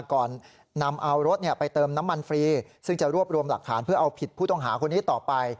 ก่อนนำเอารถไปเติมน้ำมันฟรีซึ่งจะรวบรวมหลักฐานเพื่อเอาผิดผู้ต้องหาคนนี้ต่อไป